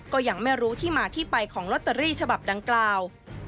ก็ยังไม่รู้ที่มาที่ไปของลอตเตอรี่ฉบับดังกล่าว